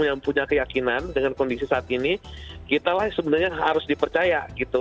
jadi kalau kita punya keyakinan dengan kondisi saat ini kita lah sebenarnya harus dipercaya gitu